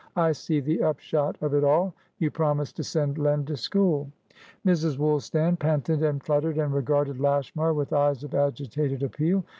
"I see the upshot of it all. You promised to send Len to school." Mrs. Woolstan panted and fluttered and regarded Lashmar with eyes of agitated appeal.